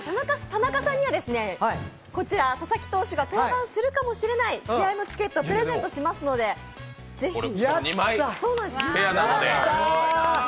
田中さんにはこちら佐々木投手が登板するかもしれない試合のチケットプレゼントしますので、ぜひ。